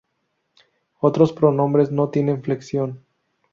Otros pronombres no tienen flexión.